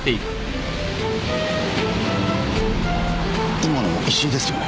今の石井ですよね。